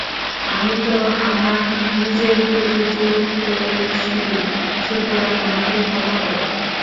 আমি তো আমার নিজের প্রতি জুলুম করেছি, সুতরাং আমাকে ক্ষমা কর।